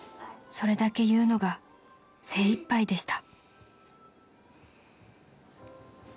［それだけ言うのが精いっぱいでした］